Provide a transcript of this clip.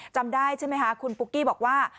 จำได้ใช่ไหมคะคุณปุ๊กกี้บอกว่า